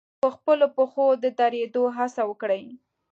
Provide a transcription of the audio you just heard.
په خپلو پښو د درېدو هڅه وکړي.